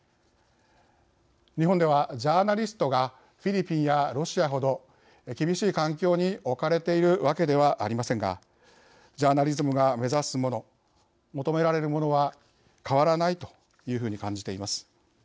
日本では、ジャーナリストがフィリピンやロシアほど厳しい環境に置かれているわけではありませんがジャーナリズムが目指すもの求められるものは変わらないというふうに感じています。